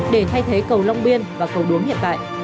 để thay thế cầu long biên và cầu nguyễn